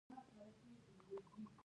نن مې د کور تازه صابون واخیست.